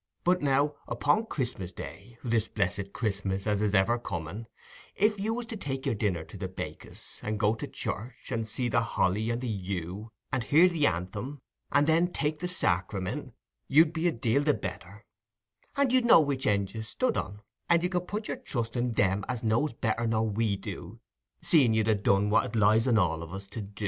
But now, upo' Christmas day, this blessed Christmas as is ever coming, if you was to take your dinner to the bakehus, and go to church, and see the holly and the yew, and hear the anthim, and then take the sacramen', you'd be a deal the better, and you'd know which end you stood on, and you could put your trust i' Them as knows better nor we do, seein' you'd ha' done what it lies on us all to do."